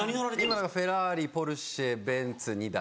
今フェラーリポルシェベンツ２台。